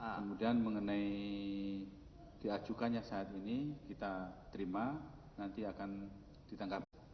kemudian mengenai diajukannya saat ini kita terima nanti akan ditangkap